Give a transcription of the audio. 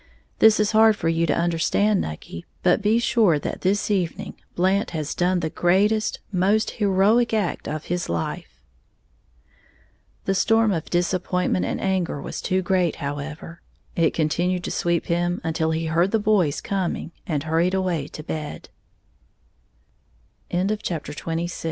This is hard for you to understand, Nucky; but be sure that this evening Blant has done the greatest, most heroic act of his life." The storm of disappointment and anger was too great, however; it continued to sweep him until he heard the boys co